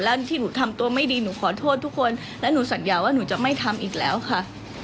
แล้วที่หนูทำตัวไม่ดีหนูขอโทษทุกคนและหนูสัญญาว่าหนูจะไม่ทำอีกแล้วค่ะ